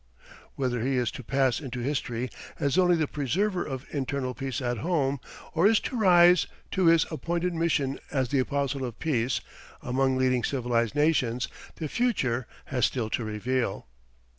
Whether he is to pass into history as only the preserver of internal peace at home or is to rise to his appointed mission as the Apostle of Peace among leading civilized nations, the future has still to reveal.